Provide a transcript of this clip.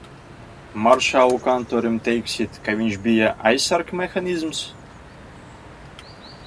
Maršalu kantorim teiksit, ka viņš bija aizsargmehānisms?